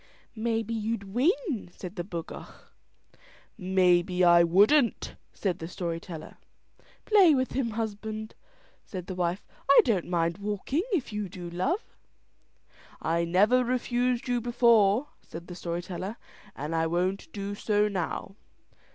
"Maybe you'd win," said the bocough. "Maybe I wouldn't," said the story teller. "Play with him, husband," said his wife. "I don't mind walking, if you do, love." "I never refused you before," said the story teller, "and I won't do so now."